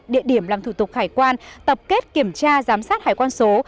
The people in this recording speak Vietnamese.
địa điểm làm thủ tục hải quan tập kết kiểm tra giám sát hải quan số